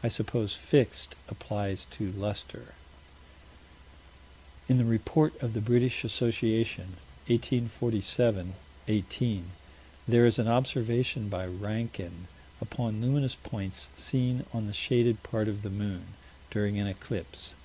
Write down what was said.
I suppose "fixed" applies to luster. In the Report of the Brit. Assoc., 1847 18, there is an observation by Rankin, upon luminous points seen on the shaded part of the moon, during an eclipse.